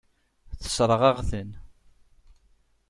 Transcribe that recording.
Tessṛeɣ-aɣ-ten.